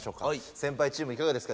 先輩チームいかがですか？